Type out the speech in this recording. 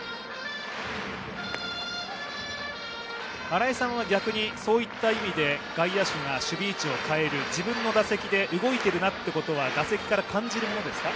新井さんは外野手が守備位置を変える、自分の打席で動いているなということは、打席から感じるものですか？